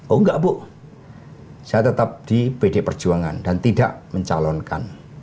oh enggak bu saya tetap di pd perjuangan dan tidak mencalonkan